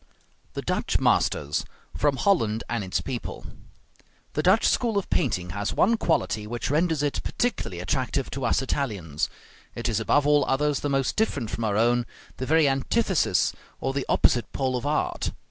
THE DUTCH MASTERS From 'Holland and Its People' The Dutch school of painting has one quality which renders it particularly attractive to us Italians; it is above all others the most different from our own, the very antithesis or the opposite pole of art.